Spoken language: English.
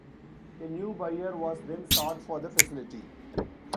A new buyer was then sought for the facility.